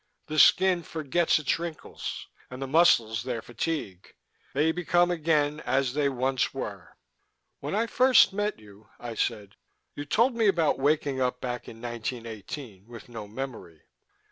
The skin forgets its wrinkles, and the muscles their fatigue. They become again as they once were." "When I first met you," I said, "you told me about waking up back in 1918, with no memory."